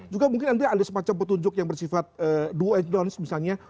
juga mungkin nanti ada semacam petunjuk yang bersifat duo atdown misalnya